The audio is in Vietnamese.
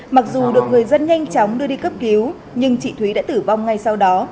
mặc dù được người dân nhanh chóng đưa đi cấp cứu nhưng chị thúy đã tử vong ngay sau đó